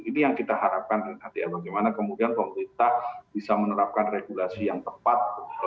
ini yang kita harapkan bagaimana kemudian pemerintah bisa menerapkan regulasi yang tepat